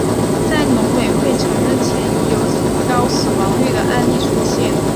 在农委会承认前已有高死亡率的案例出现。